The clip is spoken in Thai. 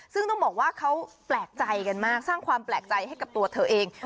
ซึ่งต้องบอกว่าเขาแปลกใจกันมากสร้างความแปลกใจให้กับตัวเธอเอง